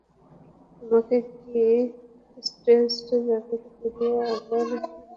তোমাকে কি স্ট্রেইটজ্যাকেট পরিয়ে আবার তোমার গারদে ভরে রাখবো?